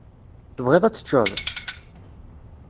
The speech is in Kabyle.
Tebɣid ad teččeḍ?